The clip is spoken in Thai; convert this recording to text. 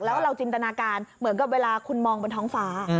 แล้วเราจินตนาการเหมือนกับเวลาคุณมองบนท้องฟ้า